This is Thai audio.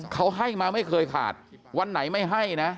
เขาให้มาไม่เคยขาดวันไหนไม่ให้นะ